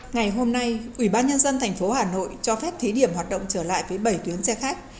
ngày hôm nay ủy ban nhân dân tp hà nội cho phép thí điểm hoạt động trở lại với bảy tuyến xe khách